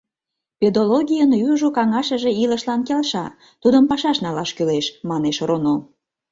Педологийын южо каҥашыже илышлан келша, тудым пашаш налаш кӱлеш... манеш роно...